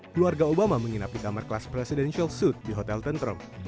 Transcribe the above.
keluarga obama menginap di kamar kelas presidential suite di hotel tentrum